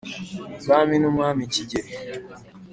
ubwami n'umwami kigeli